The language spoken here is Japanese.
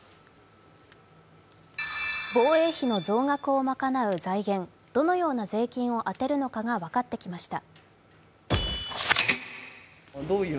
防衛費の増額を賄う財源、どのような税金を充てるのかが分かってきました。